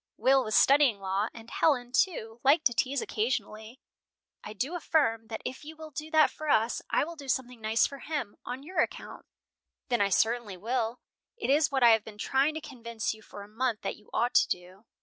Will was studying law, and Helen, too, liked to tease occasionally "I do affirm that if you will do that for us, I will do something nice for him, on your account." "Then I certainly will. It is what I have been trying to convince you for a month that you ought to do."